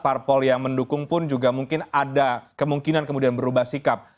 parpol yang mendukung pun juga mungkin ada kemungkinan kemudian berubah sikap